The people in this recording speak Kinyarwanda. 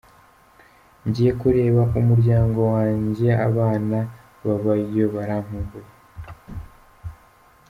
Ngiye kureba umuryango wanjye, abana baba yo barankumbuye.”